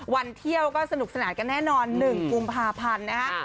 วันเที่ยวก็สนุกสนานกันแน่นอน๑กุมภาพันธ์นะฮะ